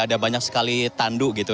ada banyak sekali tandu gitu